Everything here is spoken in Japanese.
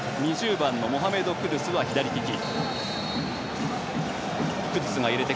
２０番のモハメド・クドゥスは左利き。